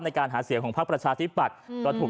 ในการหาเสียงของภาพประชาทิปัตย์